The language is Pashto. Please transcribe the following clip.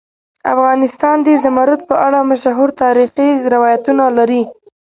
افغانستان د زمرد په اړه مشهور تاریخی روایتونه لري.